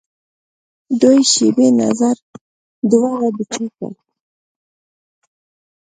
دیوي شیبي نظر دوره دچاکه